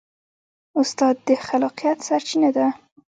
استاد د خلاقیت سرچینه ده.